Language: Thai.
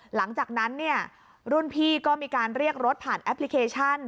หลังจากนั้นเนี่ยรุ่นพี่ก็มีการเรียกรถผ่านแอปพลิเคชัน